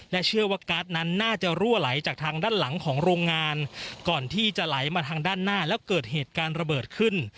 เชื่อว่าการ์ดนั้นน่าจะรั่วไหลจากทางด้านหลังของโรงงานก่อนที่จะไหลมาทางด้านหน้าแล้วเกิดเหตุการณ์ระเบิดขึ้น